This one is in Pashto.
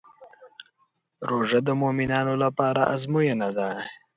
روژه د مؤمنانو لپاره ازموینه ده.